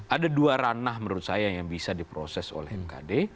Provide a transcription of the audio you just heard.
ada dua ranah menurut saya yang bisa diproses oleh mkd